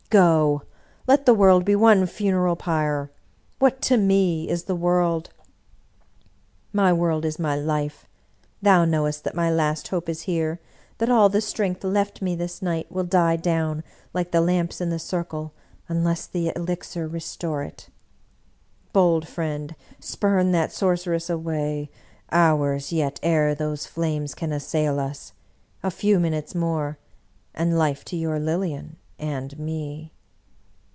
Go! Let the world be one funeral pyre ! What to me is the world ? My world is my life I Thou knowest that my last hope is here — ^that all the strength left me this night will die down, like the lamps in the circle, unless the elixir restore it. Bold friend, spurn that sorceress away. Hours yet ere those flames can as sail us ! A few minutes more, and life to your Lilian and me!"